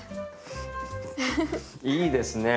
いいですね。